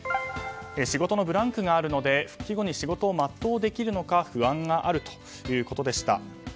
仕事のブランクがあるので復帰後に仕事を全うできるのか不安があるということでした。